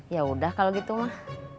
yaudah kalau gitu mah